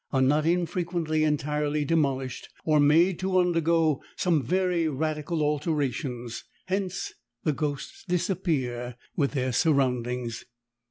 are not infrequently entirely demolished or made to undergo some very radical alterations hence the ghosts disappear with their surroundings.